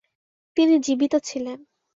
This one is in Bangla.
তিনি জীবিত ছিলেন।